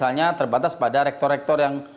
ada rektor rektor yang